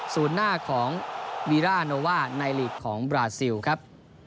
สูญหน้าของวีราโนวาในฤทธิ์ของบราซิลครับ